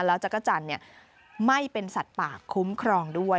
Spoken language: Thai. แล้วจักรจันทร์ไม่เป็นสัตว์ป่าคุ้มครองด้วย